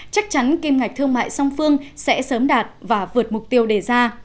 nâng kim ngạch thương mại song phương sẽ sớm đạt và vượt mục tiêu đề ra